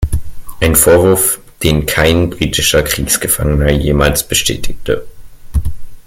Ein Vorwurf, den kein britischer Kriegsgefangener jemals bestätigte.